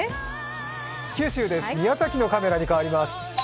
九州です、宮崎のカメラに変わります。